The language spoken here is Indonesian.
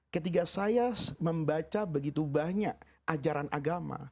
ketika saya membaca begitu banyak ajaran agama